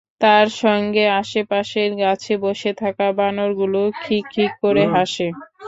তার সঙ্গে আশপাশের গাছে বসে থাকা বানরগুলোও খিক্ খিক্ করে হাসে।